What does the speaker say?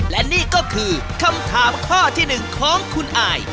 และนี่ก็คือคำถามข้อที่๑ของคุณอาย